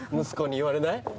息子に言われない？